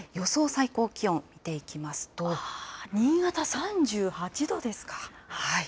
最高気温を見ていきますと新潟３８度です。